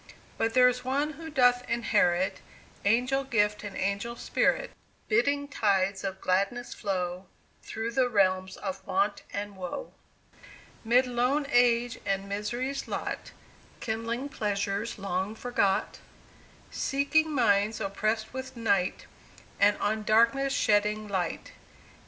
But there's one who doth inherit Angel gift and angel spirit, Bidding tides of gladness flow Through the realms of want and woe; 'Mid lone age and misery's lot, Kindling pleasures long forgot, Seeking minds oppressed with night, And on darkness shedding light.